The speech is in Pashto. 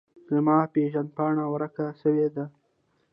زما پیژند پاڼه ورکه سویده